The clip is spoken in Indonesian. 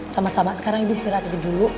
sama sama sekarang ibu silahkan tidur dulu